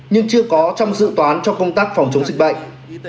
nhưng chưa có trong dự toán cho công tác phòng chống dịch bệnh